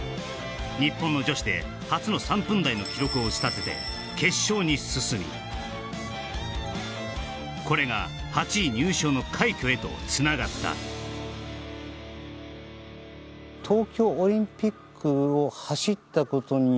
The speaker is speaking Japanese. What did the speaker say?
日本の女子で初の３分台の記録を打ち立てて決勝に進みこれが８位入賞の快挙へとつながったうんと